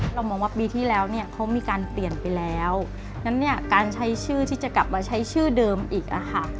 เรามองว่าปีที่แล้วเนี่ยเขามีการเปลี่ยนไปแล้วงั้นเนี่ยการใช้ชื่อที่จะกลับมาใช้ชื่อเดิมอีกอะค่ะ